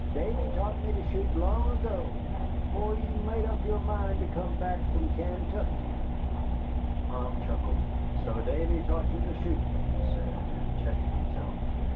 Davy taught me to shoot long ago, afore you made up your mind to come back from Kaintuckee." Tom chuckled. "So Davy taught you to shoot," he said, and checked himself.